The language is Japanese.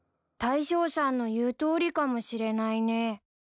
大将さんの言うとおりかもしれないね。